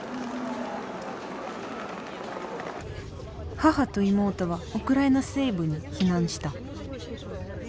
母と妹はウクライナ西部に避難した。